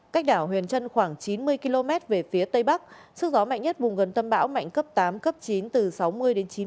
cách đảo huyền trân khoảng chín mươi km về phía tây bắc sức gió mạnh nhất vùng gần tâm bão mạnh cấp tám cấp chín từ sáu mươi đến chín mươi km một giờ giật cấp một mươi